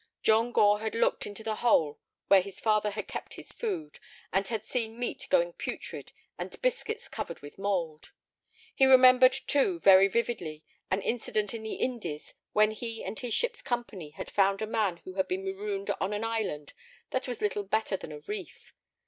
John Gore had looked into the hole where his father had kept his food, and had seen meat going putrid and biscuits covered with mould. He remembered, too, very vividly an incident in the Indies when he and his ship's company had found a man who had been marooned on an island that was little better than a reef.